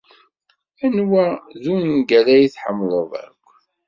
Anwa ay d ungal ay tḥemmleḍ akk?